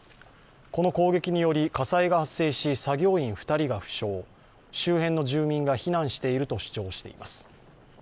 この攻撃により火災が発生し、作業員２人が負傷、周辺の住民が避難していると主張しています。